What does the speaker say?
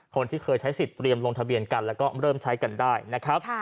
คนที่เคยใช้สิทธิ์เตรียมลงทะเบียนกันแล้วก็เริ่มใช้กันได้นะครับ